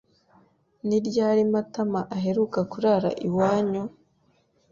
Ni ryari Matama aheruka kurara iwanyu?